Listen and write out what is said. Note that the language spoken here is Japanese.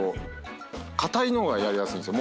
硬いのがやりやすいんですよ。